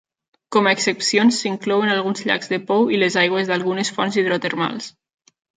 Com a excepcions s'inclouen alguns llacs de pou i les aigües d'algunes fonts hidrotermals.